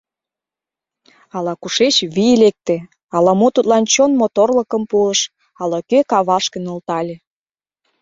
Ала-кушеч вий лекте, ала-мо тудлан чон моторлыкым пуыш, ала-кӧ кавашке нӧлтале.